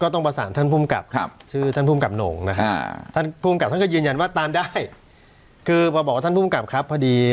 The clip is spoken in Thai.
ต้องประสาทท่านผู้กับ